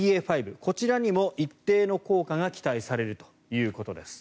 こちらにも一定の効果が期待されるということです。